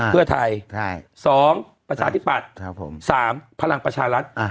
เพื่อไทย๒ประชาธิปัตย์๓พลังประชารัฐ